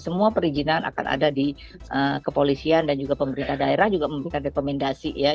semua perizinan akan ada di kepolisian dan juga pemerintah daerah juga memberikan rekomendasi ya